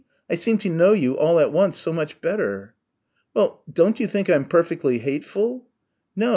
I seem to know you all at once so much better." "Well don't you think I'm perfectly hateful?" "No.